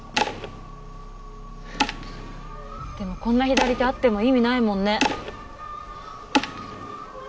でもこんな左手あっても意味ないもんね